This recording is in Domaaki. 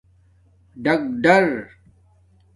ڈکڈر